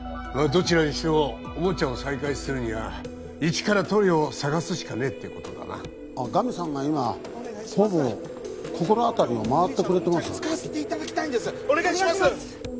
どちらにしてもおもちゃを再開するにはイチから塗料を探すしかねえってことだなあっガミさんが今方々心当たりを回ってくれてます使わせていただきたいんですお願いします！